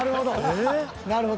なるほど。